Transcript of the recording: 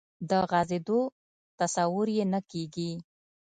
د غځېدو تصور یې نه کېږي.